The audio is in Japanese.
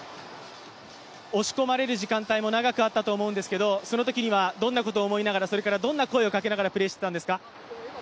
押し込まれる時間帯も長くあったと思うんですけど、そのときにはどんなことを思いながらそれからどんな声をかけながらプレーしていたんですか？